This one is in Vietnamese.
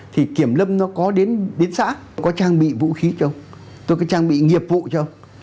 thì kiểm lâm nó có đến xã có trang bị vũ khí cho tôi có trang bị nghiệp vụ cho